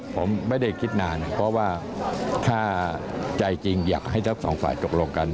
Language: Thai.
ผมไม่ได้คิดนานเพราะว่าถ้าใจจริงอยากให้ทั้งสองฝ่ายตกลงกัน